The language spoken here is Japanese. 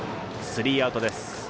スリーアウトです。